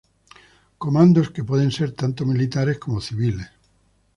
Comandos, que pueden ser tanto militares como civiles.